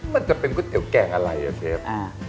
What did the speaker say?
มันจะเป็นก๋วยเตี๋ยวแกงอะไรอ่ะเชฟ